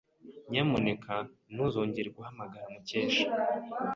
Nyamuneka ntuzongere guhamagara Mukesha.